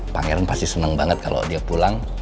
pangeran pasti seneng banget kalo dia pulang